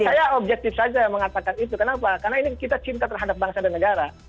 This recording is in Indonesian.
saya objektif saja mengatakan itu kenapa karena ini kita cinta terhadap bangsa dan negara